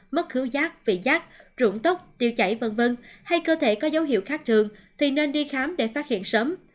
mất khứu rác vị giác rụng tốc tiêu chảy v v hay cơ thể có dấu hiệu khác thường thì nên đi khám để phát hiện sớm